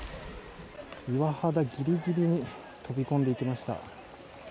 岩肌ギリギリに飛び込んでいきました。